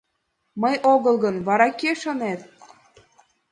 — Мый огыл гын, вара кӧ, шонет?